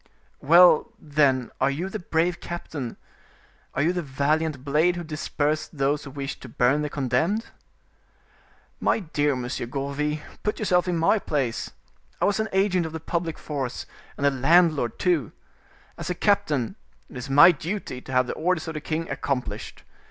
"Well, then, are you the brave captain, are you the valiant blade who dispersed those who wished to burn the condemned?" "My dear Monsieur Gourville, put yourself in my place. I was an agent of the public force and a landlord, too. As a captain, it is my duty to have the orders of the king accomplished.